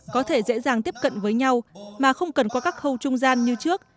có thể dễ dàng tiếp cận với nhau mà không cần qua các khâu trung gian như trước